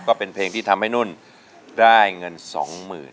ก็เป็นเพลงที่ทำให้นุ่นได้เงินสองหมื่น